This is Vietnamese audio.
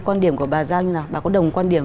quan điểm của bà giao như nào bà có đồng quan điểm